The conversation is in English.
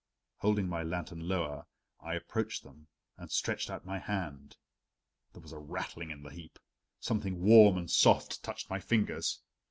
Holding my lantern lower, I approached them and stretched out my hand there was a rattling in the heap; something warm and soft touched my fingers.